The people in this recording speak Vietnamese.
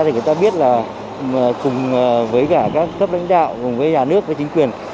thì người ta biết là cùng với cả các cấp lãnh đạo cùng với nhà nước với chính quyền